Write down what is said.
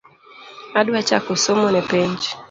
Adwa chako somo ne penj